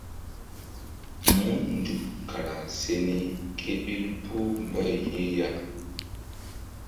Mun nzuk kara se ni ké ɓil puh mbay ye ya.